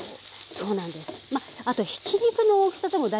そうなんです。